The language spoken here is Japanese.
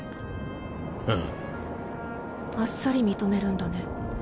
あああっさり認めるんだね